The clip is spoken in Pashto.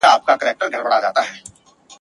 ما منلی یې په عقل کی سردار یې !.